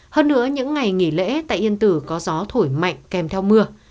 hơn nữa những ngày nghỉ lễ tại yên tử có gió thổi mạnh kèm theo mưa